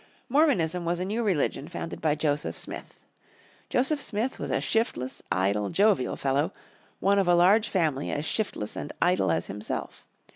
Mormonism was a new religion founded by Joseph Smith. Joseph Smith was a shiftless, idle, jovial fellow, one of a large family as shiftless and idle as himself.